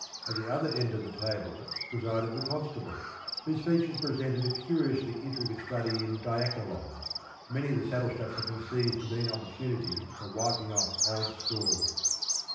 At the other end of the table presided the Constable, whose features presented a curiously intricate study in diachylon, many of the Saddlestraps having seized a mean opportunity of wiping off old scores.